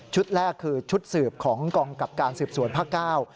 ชุดแรกคือชุดสืบของกองกลับการสืบสวนพระก้าว